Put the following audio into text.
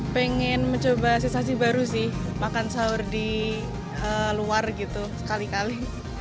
pengen mencoba sensasi baru sih makan sahur di luar gitu sekali kali